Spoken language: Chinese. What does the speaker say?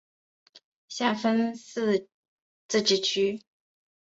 下分四自治市。